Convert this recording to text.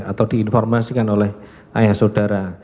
atau diinformasikan oleh ayah saudara